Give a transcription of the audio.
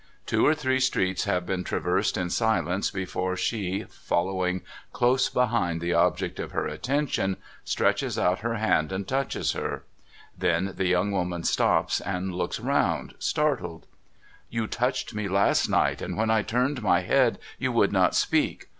Two or three streets have been traversed in silence before she, following close behind the object of her attention, stretches out her hand and touches her. Then the young woman stops and looks round, startled. ' You touched me last night, and, when I turned my head, you would not speak.